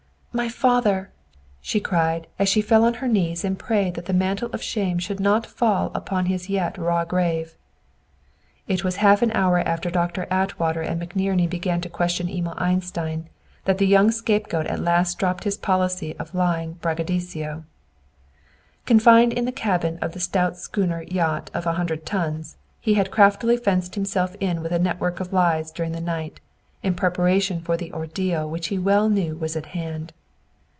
"My father!" she cried, as she fell on her knees and prayed that the mantle of shame should not fall upon his yet raw grave. It was half an hour after Doctor Atwater and McNerney began to question Emil Einstein that the young scapegoat at last dropped his policy of lying braggadocio. Confined in the cabin of the stout schooner yacht of a hundred tons, he had craftily fenced himself in with a network of lies during the night, in preparation for the ordeal which he well knew was at hand.